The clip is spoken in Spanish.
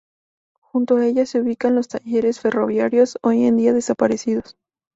Junto a ella se ubicaban los talleres ferroviarios, hoy en día desaparecidos.